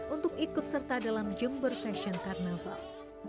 untuk ikut serta dalam jember fashion carnaval